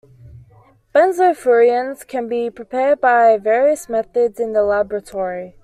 Benzofurans can be prepared by various methods in the laboratory.